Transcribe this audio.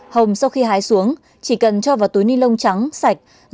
hồng sau khi hái xuống chỉ cần cho vào túi ni lông trắng sạch